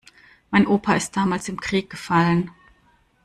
Mein Opa ist damals im Krieg gefallen.